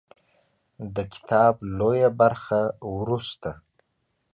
د کتاب لویه برخه وروسته